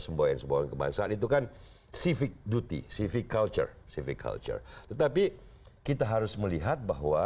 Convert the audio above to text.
semboyan semboyan kebangsaan itu kan civic duty civic culture civic culture tetapi kita harus melihat bahwa